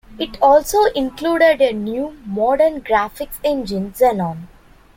It also included a new, modern graphics engine, Xenon.